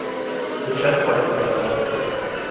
The chess parts were then separated.